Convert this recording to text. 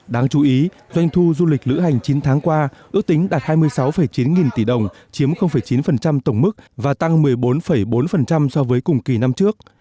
đáng chú ý doanh thu du lịch lữ hành chín tháng qua ước tính đạt hai mươi sáu chín nghìn tỷ đồng chiếm chín tổng mức và tăng một mươi bốn bốn so với cùng kỳ năm trước